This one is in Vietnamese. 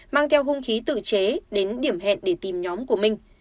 mang theo hung khí tự chế đến điểm hẹn để tìm nhóm của minh